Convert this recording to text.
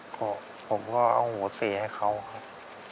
ก็ผมก็เอาหัวเสียให้เขาครับ